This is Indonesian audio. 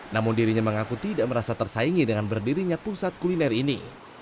namun dirinya mengaku tidak merasa tersaingi dengan berdirinya pusat kuliner ini